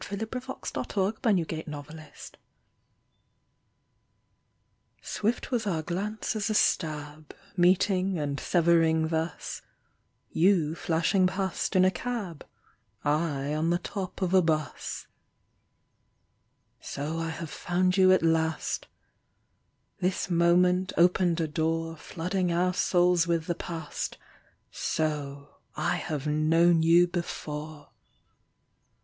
101 Recognition Swift was our glance as a stab, Meeting and severing thus — You flashing past in a cab, I on the top of a bus. So I have found you at last. This moment opened a door Flooding our souls with the Past : So — I have known you before